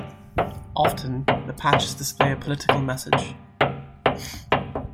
Often, the patches display a political message.